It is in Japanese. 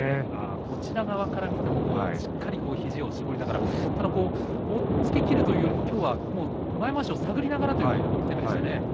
こちら側から見てもしっかりと肘を絞りながらただ押っつけきるというよりはきょうは前まわしを探りながらの攻めでしたね。